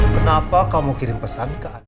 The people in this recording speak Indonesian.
kenapa kamu kirim pesan